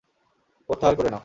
প্রত্যাহার করে নাও।